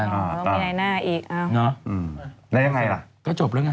อ๋อต้องมีนายหน้าอีกเอาอืมแล้วยังไงล่ะก็จบแล้วไง